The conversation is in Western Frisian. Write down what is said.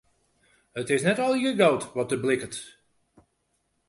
It is net allegearre goud wat der blikkert.